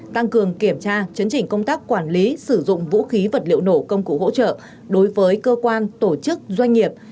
tăng cường kiểm tra chấn chỉnh công tác quản lý sử dụng vũ khí vật liệu nổ công cụ hỗ trợ đối với cơ quan tổ chức doanh nghiệp